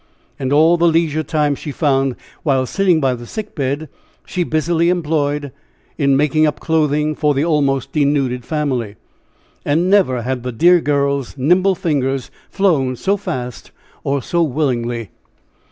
And all the leisure time she found while sitting by the sick bed she busily employed in making up clothing for the almost denuded family. And never had the dear girl's nimble fingers flown so fast or so willingly.